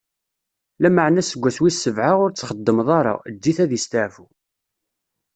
Lameɛna aseggas wis sebɛa, ur ttxeddmeḍ ara, eǧǧ-it ad isteɛfu.